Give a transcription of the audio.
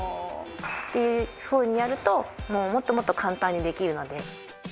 っていうふうにやるともっともっと簡単にできるので。